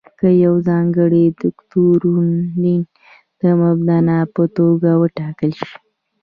که یو ځانګړی دوکتورین د مبنا په توګه وټاکل شي.